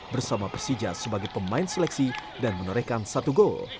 bersama persija sebagai pemain seleksi dan menorehkan satu gol